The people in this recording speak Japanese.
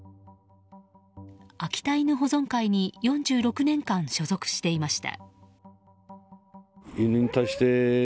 秋田犬保存会に４６年間所属していました。